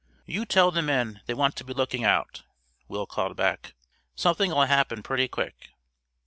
"You tell the men they want to be looking out!" Will called back. "Something'll happen pretty quick!"